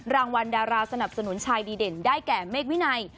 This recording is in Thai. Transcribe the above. รางวัลดาราสนับสนุนชายดีเด่นได้แก่เมฆวินัย